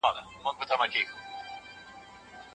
پخوانی چاپېریال تر اوسني وضعیت ډېر پرانیستی و.